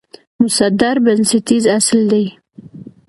مصدر بنسټیز اصل دئ.